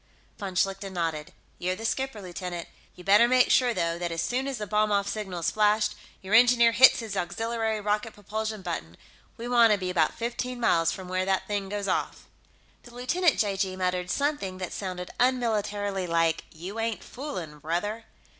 Von Schlichten nodded. "You're the skipper, lieutenant. You'd better make sure, though, that as soon as the bomb off signal is flashed, your engineer hits his auxiliary rocket propulsion button. We want to be about fifteen miles from where that thing goes off." The lieutenant (j.g.) muttered something that sounded unmilitarily like, "You ain't foolin', brother!"